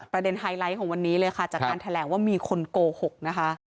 ไฮไลท์ของวันนี้เลยค่ะจากการแถลงว่ามีคนโกหกนะคะ